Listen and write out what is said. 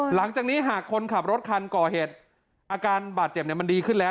หลังจากนี้หากคนขับรถคันก่อเหตุอาการบาดเจ็บมันดีขึ้นแล้ว